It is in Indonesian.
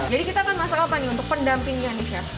jadi kita akan masak apa nih untuk pendampingnya nih chef